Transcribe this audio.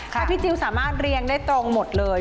ถ้าพี่จิลสามารถเรียงได้ตรงหมดเลย